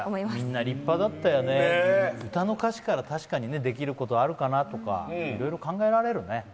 みんな立派だったよね、歌の歌詞から、できることはあるかなとか、いろいろ考えられるね。